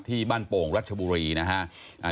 ที่บ้านโป่งรัชบุรีนะฮะ